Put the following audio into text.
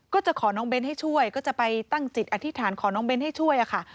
ก็จะขอน้องเบ้นให้ช่วยก็จะไปตั้งจิตอธิษฐานขอน้องเน้นให้ช่วยค่ะ